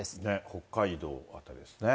北海道とかですね。